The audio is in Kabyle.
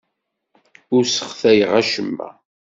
Ur sseɣtayeɣ acemma.